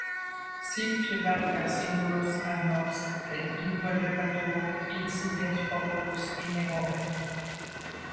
Sic fiebat per singulos annos, et involvebatur insipiens populus in errore.